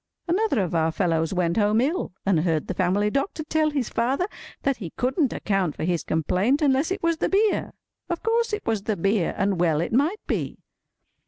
Another of our fellows went home ill, and heard the family doctor tell his father that he couldn't account for his complaint unless it was the beer. Of course it was the beer, and well it might be!